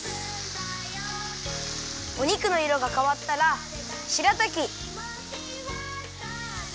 お肉のいろがかわったらしらたき